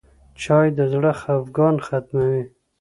چای د زړه خفګان ختموي.